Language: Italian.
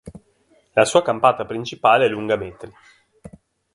La sua campata principale è lunga metri.